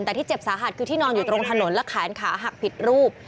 แต่ที่เจ็บสาหัสคือที่นอนอยู่ตรงถนนและแขนขาหักผิดรูป